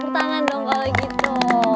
tertangan dong kalau gitu